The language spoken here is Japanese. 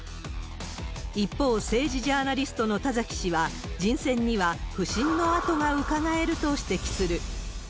一方、政治ジャーナリストの田崎氏は、人選には腐心の跡がうかがえると指摘する。